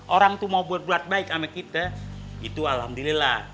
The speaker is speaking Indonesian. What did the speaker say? orang itu mau berbuat baik sama kita itu alhamdulillah